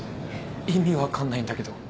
意味分かんないんだけど。